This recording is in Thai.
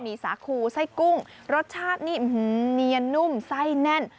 มีสาคูไส้กุ้งรสชาตินี่เนียนนุ่มไส้แน่น